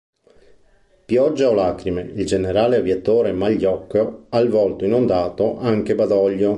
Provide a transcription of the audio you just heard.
Pioggia o lacrime, il generale aviatore Magliocco ha il volto inondato, anche Badoglio"..".